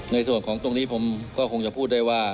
ในส่วนของตรงนี้ผมก็คงจะพูดได้ว่า